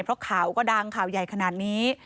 เพราะข่าวก็ดังข่าวใหญ่ขนาดนี้